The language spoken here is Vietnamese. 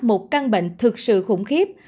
một căn bệnh thực sự khủng khiếp